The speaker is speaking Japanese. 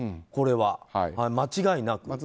これは、間違いなく。